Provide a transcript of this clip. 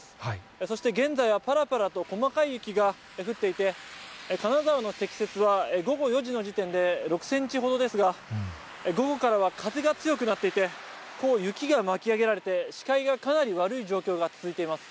そして現在はぱらぱらと細かい雪が降っていて、金沢の積雪は午後４時の時点で６センチほどですが、午後からは風が強くなっていて、こう雪が巻き上げられて、視界がかなり悪い状況が続いています。